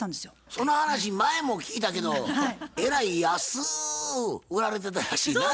その話前も聞いたけどえらい安ぅ売られてたらしいなぁ。